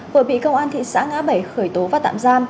vừa bị công an thị xã ngã bảy khởi tố và tạm giam